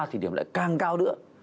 thì điểm lại càng cao nữa